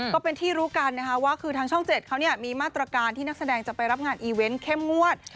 ก็เป็นที่รู้กันนะคะว่าคือทางช่อง๗เขามีมาตรการที่นักแสดงจะไปรับงานอีเวนต์เข้มงวด